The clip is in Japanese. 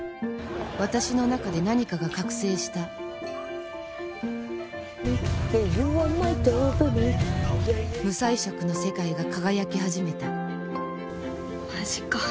私の中で何かが覚醒した無彩色の世界が輝き始めたマジか。